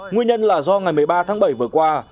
nguyên nhân là do ngày một mươi ba tháng bảy vừa qua